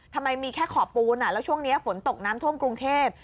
ทำไมมีแค่ขอบปูนแล้วช่วงนี้ฝนตกน้ำท่วมกรุงเทพ